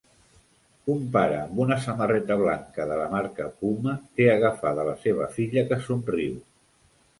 Un pare, amb una samarreta blanca de la marca Puma, té agafada la seva filla, que somriu.